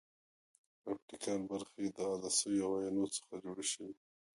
اپټیکل برخې د عدسیو او اینو څخه جوړې شوې.